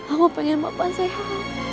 aku pengen papa sehat